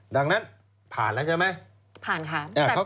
ดังนั้นผ่านแล้วใช่ไหม